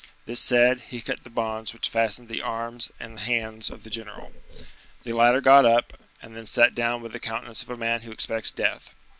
This said, he cut the bonds which fastened the arms and hands of the general. The latter got up, and then sat down with the countenance of a man who expects death.